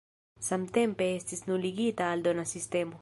Samtempe estis nuligita aldona sistemo.